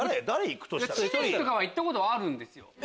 知念とは行ったことあるんですよ。